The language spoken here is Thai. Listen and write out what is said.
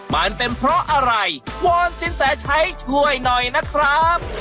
มันเป็นเพราะอะไรวอนสินแสชัยช่วยหน่อยนะครับ